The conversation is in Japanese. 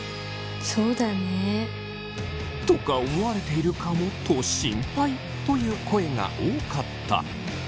そうだね。とか思われているかもと心配という声が多かった。